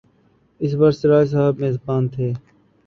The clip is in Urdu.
اس بار سراج صاحب میزبان تھے۔